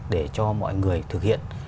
để cho mọi người thực hiện